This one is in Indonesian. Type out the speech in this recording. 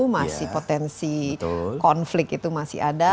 masih potensi konflik itu masih ada